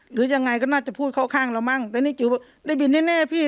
หรือยังไงก็น่าจะพูดเข้าข้างเรามั้งแต่นี่จิ๋วได้บินแน่พี่